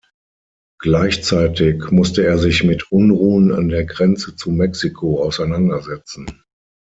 Gleichzeitig musste er sich mit Unruhen an der Grenze zu Mexiko auseinandersetzen.